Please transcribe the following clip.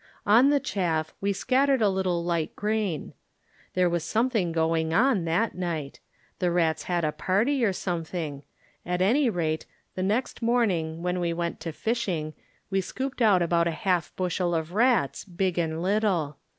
On the chalf we scattered a little light grain. There was something going on, that night I The rats had a party or some thing; at any rate, the next morning when we went to fishing we scooped out about a half bushel of rats, big and little.